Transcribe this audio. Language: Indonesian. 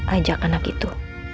ajak anak itu